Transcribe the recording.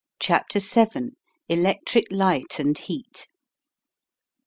CHAPTER VII. ELECTRIC LIGHT AND HEAT.